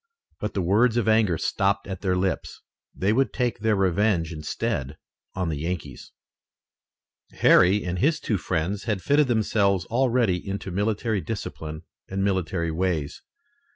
But the words of anger stopped at their lips. They would take their revenge instead on the Yankees. Harry and his two friends had fitted themselves already into military discipline and military ways.